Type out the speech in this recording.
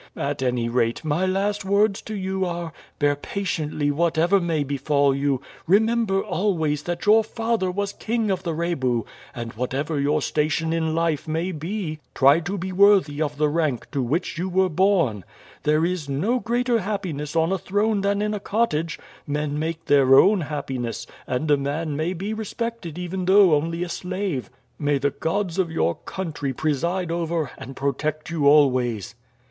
At any rate, my last words to you are, bear patiently whatever may befall you, remember always that your father was king of the Rebu, and whatever your station in life may be, try to be worthy of the rank to which you were born. There is no greater happiness on a throne than in a cottage. Men make their own happiness, and a man may be respected even though only a slave. May the gods of your country preside over and protect you always."